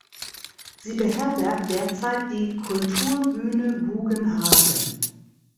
Sie beherbergt derzeit die "Kultur Bühne Bugenhagen".